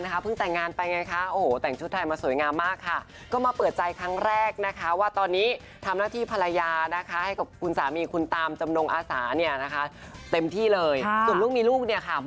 หนึ่งคือไม่มีเลย